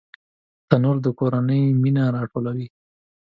تنور د کورنۍ مینه راټولوي